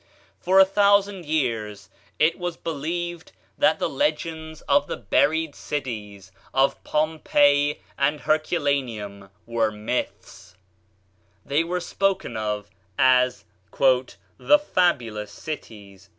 For a thousand years it was believed that the legends of the buried cities of Pompeii and Herculaneum were myths: they were spoken of as "the fabulous cities."